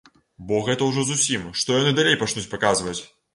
Бо гэта ўжо зусім, што яны далей пачнуць паказваць?